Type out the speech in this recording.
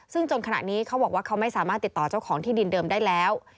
ซึ่งจนขณะนี้เขาบอกว่าเขาไม่สามารถติดต่อเจ้าของที่ดินเดิมได้แล้ว